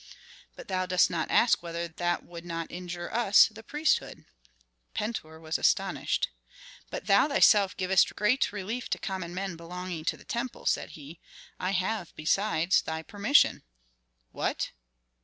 "But thou dost not ask whether that would not injure us, the priesthood." Pentuer was astonished. "But thou thyself givest great relief to common men belonging to the temple," said he. "I have, besides, thy permission." "What?